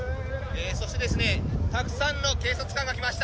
そしてたくさんの警察官が来ました。